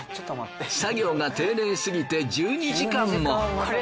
作業が丁寧すぎて１２時間も。